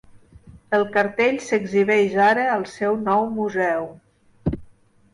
El cartell s'exhibeix ara al seu nou museu.